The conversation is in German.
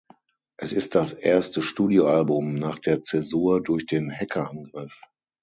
Es ist das erste Studioalbum nach der Zäsur durch den Hackerangriff.